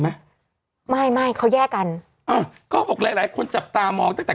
ไหมไม่ไม่เขาแยกกันอ่าก็บอกหลายหลายคนจับตามองตั้งแต่